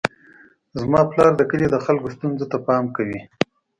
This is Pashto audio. زما پلار د کلي د خلکو ستونزو ته پام کوي.